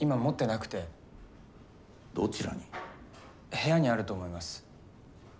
部屋にあると思います。